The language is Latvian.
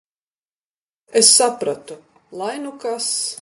Es sapratu - lai nu kas.